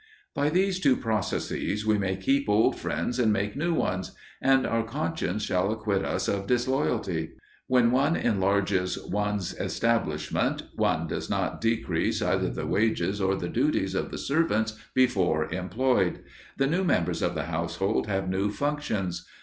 By these two processes we may keep old friends and make new ones; and our conscience shall acquit us of disloyalty. When one enlarges one's establishment, one does not decrease either the wages or the duties of the servants before employed. The new members of the household have new functions.